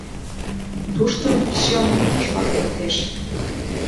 Тушто чын тӱжвак лектеш.